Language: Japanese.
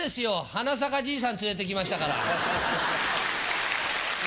花咲かじいさん連れてきましたから。